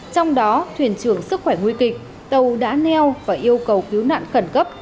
trong đó thuyền trưởng sức khỏe nguy kịch tàu đã neo và yêu cầu cứu nạn khẩn cấp